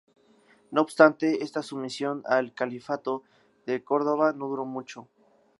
No obstante, esta sumisión al califato de Córdoba no duró mucho.